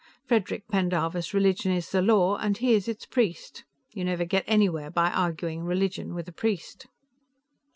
Frederic Pendarvis' religion is the law, and he is its priest. You never get anywhere by arguing religion with a priest."